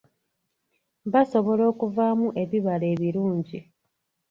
Basobola okuvaamu ebibala ebirungi.